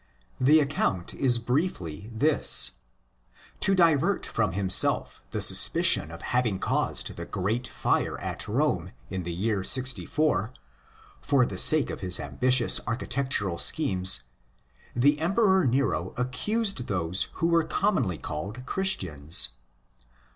The account is briefly this. To divert from himself the suspicion of having caused the great fire at Rome in the year 64 (for the sake of his ambitious archi tectural schemes), the Emperor Nero accused those who were commonly called Christians.